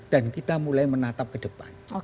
dan kita mulai menatap ke depan